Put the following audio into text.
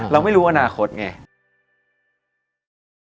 เราไม่รู้อนาคตไง